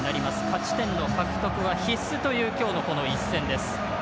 勝ち点の獲得は必須という今日の、この一戦です。